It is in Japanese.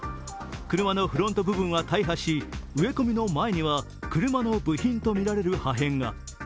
車のフロント部分は大破し植え込みの前には車の部品とみられる破片が。